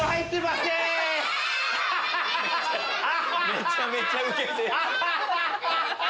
めちゃめちゃウケて。